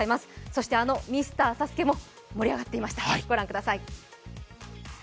そしてあのミスターＳＡＳＵＫＥも盛り上がっていました、御覧ください。